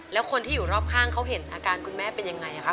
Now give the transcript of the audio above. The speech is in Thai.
แล้วคนที่อยู่รอบข้างเขาเห็นอาการคุณแม่เป็นยังไงคะ